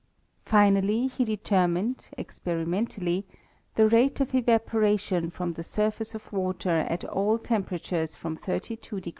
Finally, he determined, ex« perimentally, the rate of evaporatbn from the sur face of water at all temperatures from 31* to 214».